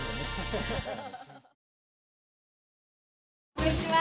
こんにちは。